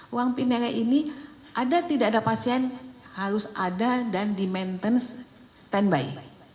uang pineka ini ada tidak ada pasien harus ada dan di maintenance standby